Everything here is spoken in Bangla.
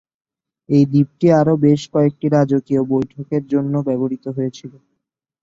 এই দ্বীপটি আরও বেশ কয়েকটি রাজকীয় বৈঠকের জন্য ব্যবহৃত হয়েছিল।